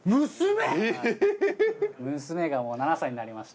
娘がもう７歳になりました。